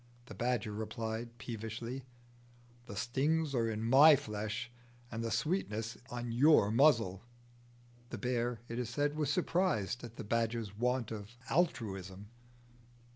The badger replied, peevishly, "The stings are in my flesh, and the sweetness is on your muzzle." The bear, it is said, was surprised at the badger's want of altruism.